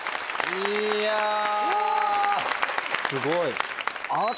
すごい。